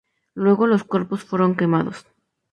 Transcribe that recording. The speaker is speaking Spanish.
Luego los cuerpos fueron quemados.